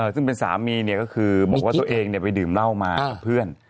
ซึ่งเป็นสามีก็คือบอกว่าตัวเองไปดื่มเหล้ามากับเพื่อน